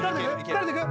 誰といく？